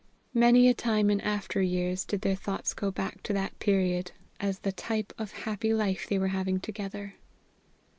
Many a time in after years did their thoughts go back to that period as the type of the happy life they were having together.